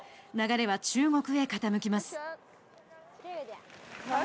流れは中国へ傾きます。